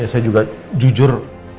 ya saya juga jujur